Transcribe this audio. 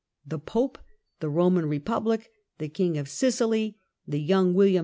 The Pope, the Eoman republic, the King of Sicily, the young William II.